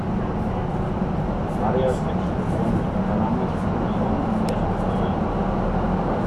Varias expresiones catalanas usan esta palabra.